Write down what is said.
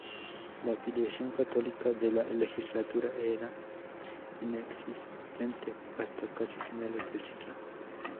La afiliación católica de la legislatura era inexistente hasta casi finales del siglo.